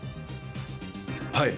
はい。